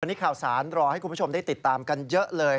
วันนี้ข่าวสารรอให้คุณผู้ชมได้ติดตามกันเยอะเลย